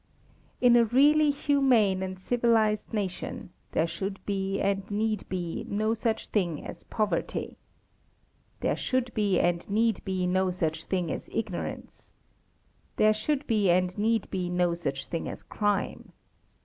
In a really humane and civilised nation: There should be and need be no such thing as poverty. There should be and need be no such thing as ignorance. There should be and need be no such thing as crime.